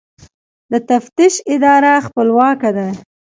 د تفتیش اداره خپلواکه ده؟